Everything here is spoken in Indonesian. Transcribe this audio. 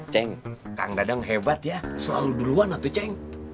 ceng kang dadang hebat ya selalu duluan atau ceng